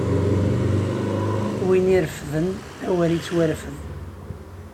Win irefden, awer ittwarfed!